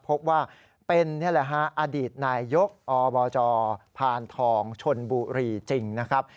พบว่าเป็นอดีตนายกอบพาลทองชนบุรีจริงนะครับ